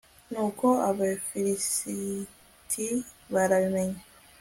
nuko abafilisiti barabimenya